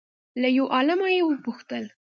له یو عالمه یې وپوښتل